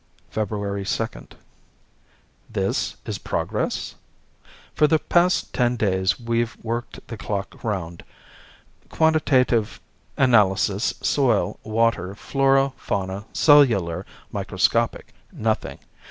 February 2 This is progress? For the past ten days, we've worked the clock around. Quantitative analysis, soil, water, flora, fauna, cellular, microscopic. Nothing.